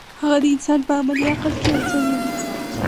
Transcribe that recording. هغه د انسان په عملي عقل کې یو څه ویني.